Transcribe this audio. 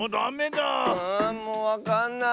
もうわかんない。